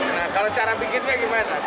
nah kalau cara bikinnya gimana